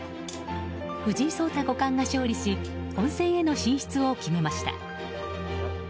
藤井聡太五冠が勝利し本戦への進出を決めました。